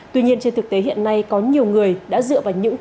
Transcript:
tuy nhiên trên thực tế hiện nay có nhiều người đã dựa vào những